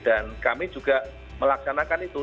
dan kami juga melaksanakan itu